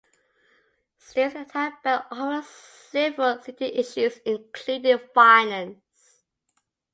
Stith attacked Bell over several city issues including violence.